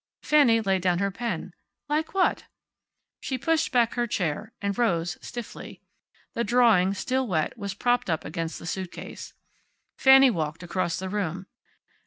Fanny laid down her pen. "Like what?" She pushed back her chair, and rose, stiffly. The drawing, still wet, was propped up against the suitcase. Fanny walked across the room.